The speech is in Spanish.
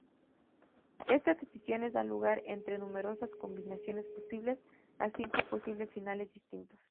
Estas decisiones dan lugar, entre numerosas combinaciones posibles, a cinco posibles finales distintos.